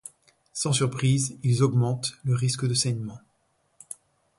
Sans surprise, ils augmentent le risque de saignement.